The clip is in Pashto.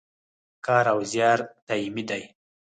کار او زیار دایمي دی